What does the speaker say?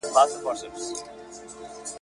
چي تاته په کتو شم خلک ماته په کتو شي